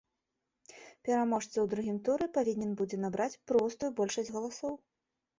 Пераможца ў другім туры павінен будзе набраць простую большасць галасоў.